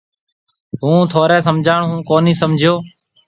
هُون ٿوري سمجھاڻ هون ڪونِي سمجھيَََو۔